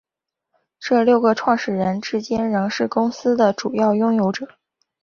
这六个创始人至今仍是公司的主要拥有者。